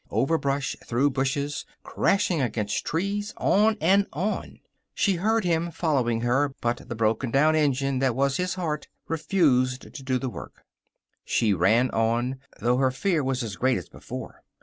Over brush, through bushes, crashing against trees, on and on. She heard him following her, but the broken down engine that was his heart refused to do the work. She ran on, though her fear was as great as before.